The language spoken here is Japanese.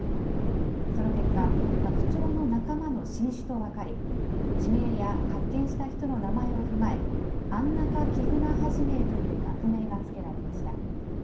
その結果、白鳥の仲間の新種と分かり、地名や発見した人の名前を踏まえ、アンナカキグナハジメイという学名が付けられました。